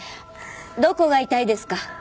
どこが痛いですか？